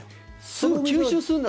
すぐ吸収するんだ。